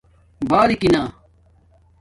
باراکینا